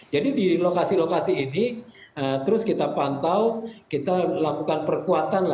di lokasi lokasi ini terus kita pantau kita lakukan perkuatan